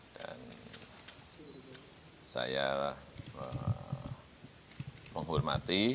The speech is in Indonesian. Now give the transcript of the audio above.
dan saya menghormati